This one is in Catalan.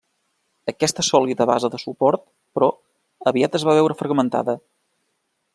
Aquesta sòlida base de suport, però, aviat es va veure fragmentada.